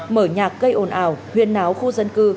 mở nhạc gây ồn ào huyền náo khu dân cư